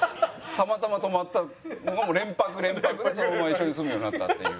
たまたま泊まったのが連泊連泊でそのまま一緒に住むようになったっていう。